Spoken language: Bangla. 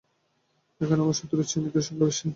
এখানে আমার শত্রুর চেয়ে মিত্রের সংখ্যা বেশী।